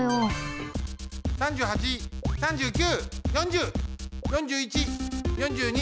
３８３９４０４１４２。